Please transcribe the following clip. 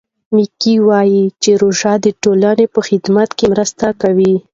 میکا وايي چې روژه د ټولنې په خدمت کې مرسته کوي.